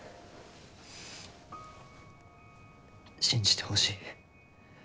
信じてほしい。